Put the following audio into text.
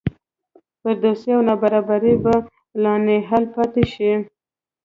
فرودستي او نابرابري به لاینحل پاتې شي.